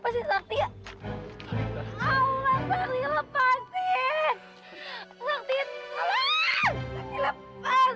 sampai jumpa di video selanjutnya